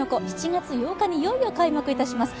７月８日にいよいよ開幕いたします。